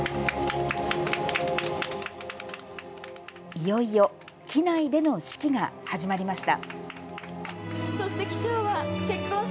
いよいよ機内での式が始まりました。